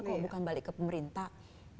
kok bukan balik ke pemerintah